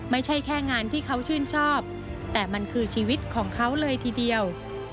ไม่ใช่แค่งานที่เขาชื่นชอบแต่มันคือชีวิตของเขาเลยทีเดียว